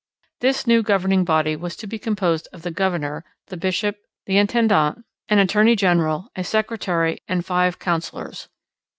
This new governing body was to be composed of the governor, the bishop, the intendant, an attorney general, a secretary, and five councillors.